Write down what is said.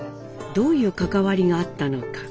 どういう関わりがあったのか。